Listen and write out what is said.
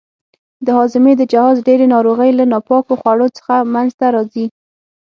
د هاضمې د جهاز ډېرې ناروغۍ له ناپاکو خوړو څخه منځته راځي.